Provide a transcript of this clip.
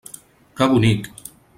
Que bonic!